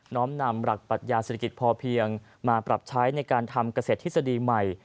น้อมนำหลักปัญญาศิริกฤติพอเพียงมาปรับใช้ในการทำเกษตรทิศดีใหม่